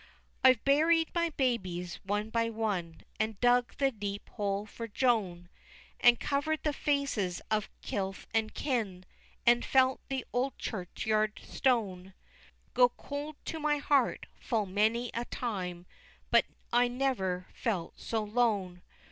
XXXIV. I've buried my babies one by one, And dug the deep hole for Joan, And cover'd the faces of kith and kin, And felt the old churchyard stone Go cold to my heart, full many a time, But I never felt so lone!